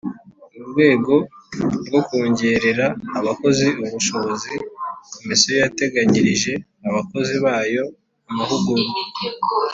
Mu rwego rwo kongerera abakozi ubushobozi Komisiyo yateganyirije abakozi bayo amahugurwa